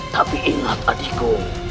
tapi ingat adikku